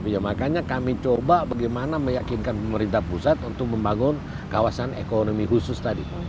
ya makanya kami coba bagaimana meyakinkan pemerintah pusat untuk membangun kawasan ekonomi khusus tadi